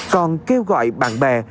còn kêu gọi bạn bè